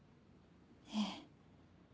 ええ。